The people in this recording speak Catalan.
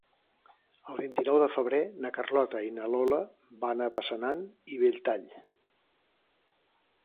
El vint-i-nou de febrer na Carlota i na Lola van a Passanant i Belltall.